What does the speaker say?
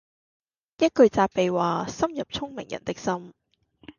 一句責備話深入聰明人的心